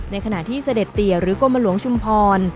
ในขณะที่เสด็จเตียหรือกรมหลวงชุมพร